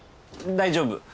大丈夫。